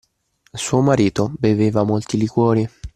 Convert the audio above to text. Suo marito beveva molti liquori?